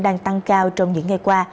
đang tăng cao trong những ngày qua